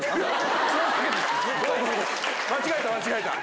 間違えた間違えた。